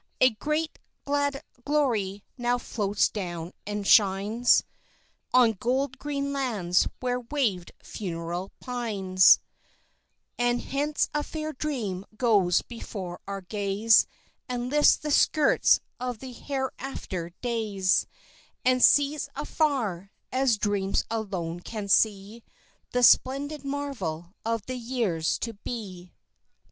A great, glad glory now flows down and shines On gold green lands where waved funereal pines. Solo Soprano And hence a fair dream goes before our gaze, And lifts the skirts of the hereafter days, And sees afar, as dreams alone can see, The splendid marvel of the years to be.